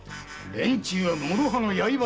連中はもろ刃の刃。